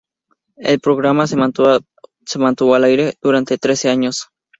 El programa se mantuvo al aire durante trece años.